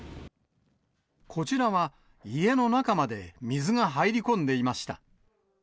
こちらは家の中まで水が入り込んでいました。